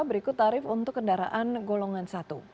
berikut tarif untuk kendaraan golongan satu